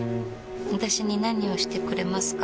私に何をしてくれますか？